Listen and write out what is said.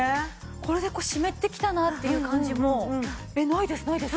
これで湿ってきたなっていう感じもないですないです。